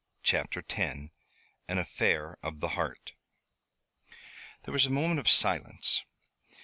CHAPTER X AN AFFAIR OF THE HEART There was a moment of silence.